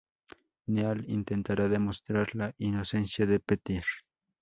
Neal intentará demostrar la inocencia de Peter.